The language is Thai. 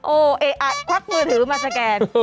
โอ้เอ๊ะควักมือถือมาสแกน